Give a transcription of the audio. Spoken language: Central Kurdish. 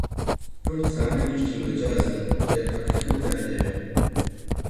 ئەم قسانە گشتی مەجازن گەر حەقیقەتتان دەوێ